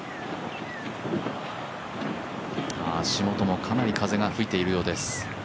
足元もかなり風が吹いているようです。